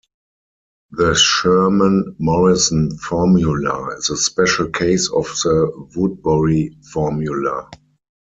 The Sherman-Morrison formula is a special case of the Woodbury formula.